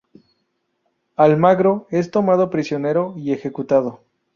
Almagro es tomado prisionero y ejecutado.